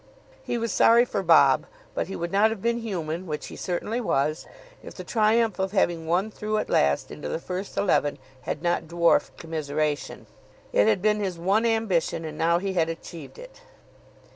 He was sorry for Bob, but he would not have been human (which he certainly was) if the triumph of having won through at last into the first eleven had not dwarfed commiseration. It had been his one ambition, and now he had achieved it.